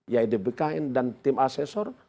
yaitu bkn dan tim asesor